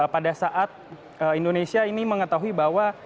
pada saat indonesia ini mengetahui bahwa